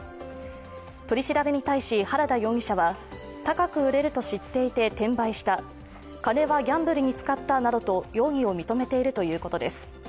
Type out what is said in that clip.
取り調べに対し、原田容疑者は高く売れると知っていて転売した、金はギャンブルに使ったなどと容疑を認めているということです。